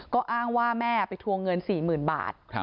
ก็อ้างว่าแม่ไปทวงเงิน๔๐๐๐บาท